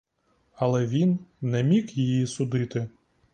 Але він не міг її судити.